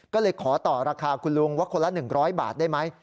ก็เลยขอต่อราคาคุณลุงว่าคนละ๑๐๐บาทได้ไหม